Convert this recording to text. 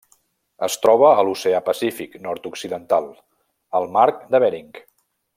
Es troba a l'Oceà Pacífic nord-occidental: el Mar de Bering.